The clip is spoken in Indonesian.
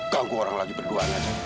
ganggu orang lagi berdua aja